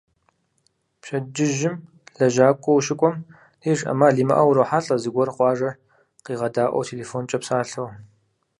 Пщэдджыжьым лэжьакӏуэ ущыкӏуэм деж, ӏэмал имыӏэу урохьэлӏэ зыгуэр къуажэр къигъэдаӏуэу телефонкӏэ псалъэу.